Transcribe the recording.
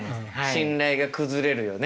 信頼が崩れるよね。